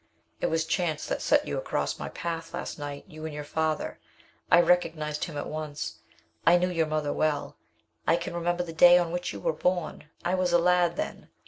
"It was chance that set you across my path last night you and your father. I recognized him at once. I knew your mother well. I can remember the day on which you were born, I was a lad then.